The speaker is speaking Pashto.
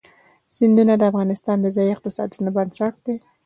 سیندونه د افغانستان د ځایي اقتصادونو بنسټ دی.